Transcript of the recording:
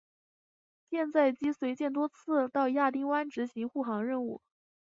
舰载机随舰多次到亚丁湾执行护航任务。